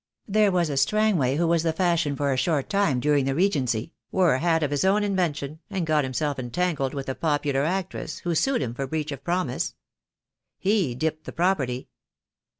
There was a Strangway who was the fashion for a short time during the Regency, wore a hat of his own invention, and got himself entangled with a popular actress, who sued him for breach of promise. He dipped the pro perty.